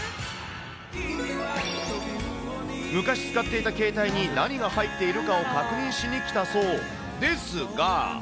昔使っていた携帯に何が入っているかを確認しに来たそうですが。